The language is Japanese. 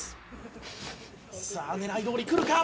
「さあ狙いどおりくるか！？」